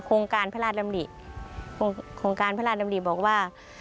โครงการพระราชดำริบอกว่า